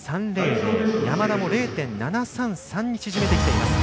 山田も０．７３３に縮めてきています。